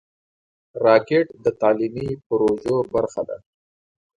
راکټ د تعلیمي پروژو برخه ده